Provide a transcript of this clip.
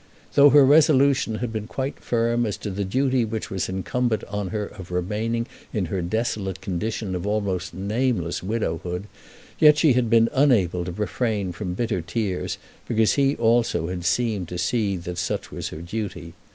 Though her resolution had been quite firm as to the duty which was incumbent on her of remaining in her desolate condition of almost nameless widowhood, yet she had been unable to refrain from bitter tears because he also had seemed to see that such was her duty.